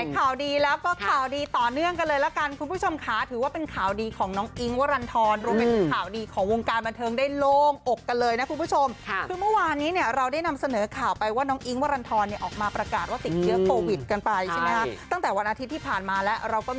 ข่าวดีแล้วก็ข่าวดีต่อเนื่องกันเลยละกันคุณผู้ชมค่ะถือว่าเป็นข่าวดีของน้องอิ๊งวรรณฑรรวมไปถึงข่าวดีของวงการบันเทิงได้โล่งอกกันเลยนะคุณผู้ชมค่ะคือเมื่อวานนี้เนี่ยเราได้นำเสนอข่าวไปว่าน้องอิ๊งวรรณฑรเนี่ยออกมาประกาศว่าติดเชื้อโควิดกันไปใช่ไหมคะตั้งแต่วันอาทิตย์ที่ผ่านมาแล้วเราก็มี